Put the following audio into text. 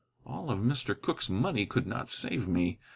All of Mr. Cooke's money could not save me.